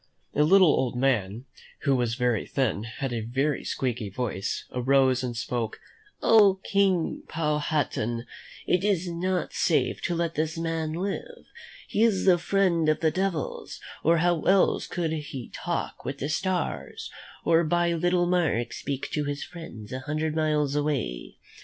A little old man, who was very thin, and had a very squeaky voice, arose and spoke: "Oh, King Powhatan, it is not safe to let this man live. He is the friend of the devils, or how else could he talk with the stars, or by little marks speak to his friends a hundred miles away?